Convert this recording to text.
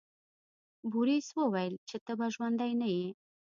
بوریس وویل چې ته به ژوندی نه یې.